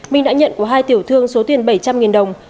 minh đã nhận của hai tiểu thương số tiền bảy trăm linh đồng